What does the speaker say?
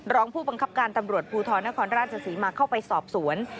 รองผู้บังคับการตำรวจภูทรนครราชศรีมาเข้าไปสอบสวน